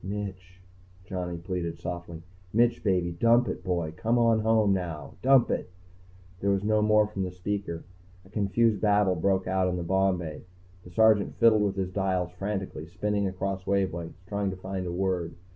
"Mitch," Johnny pleaded softly. "Mitch, baby. Dump it, boy, come on home, now. Dump it." There was no more from the speaker. A confused babble broke out in the bomb bay. The Sergeant fiddled with his dials frantically, spinning across wavelengths, trying to find a word.